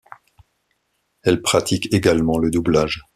Elle pratique également le doublage.